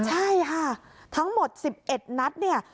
ใช่ค่ะทั้งหมด๑๑นัดเนี่ย